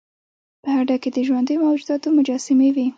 په هډه کې د ژوندیو موجوداتو مجسمې وې